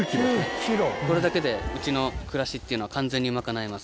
これだけでうちの暮らしっていうのは完全に賄えます。